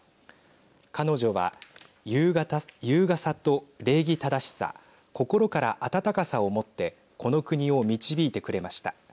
彼女は優雅さと礼儀正しさ心から温かさをもってこの国を導いてくれました。